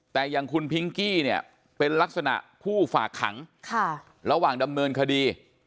แต่อย่างคุณพิงกี้เนี่ยเป็นลักษณะผู้ฝากขังระหว่างดำเนินคดี